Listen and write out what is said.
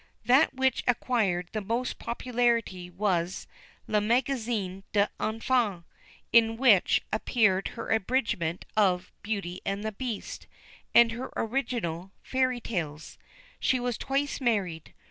That which acquired the most popularity was Le Magazin des Enfans, in which appeared her abridgment of Beauty and the Beast, and her original Fairy Tales. She was twice married.